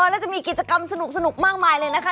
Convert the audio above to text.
แล้วจะมีกิจกรรมสนุกมากมายเลยนะคะ